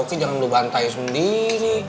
uki jangan lu bantai sendiri